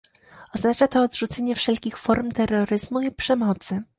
Oznacza to odrzucenie wszelkich form terroryzmu i przemocy